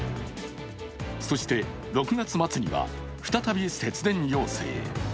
そして６月末には再び節電要請。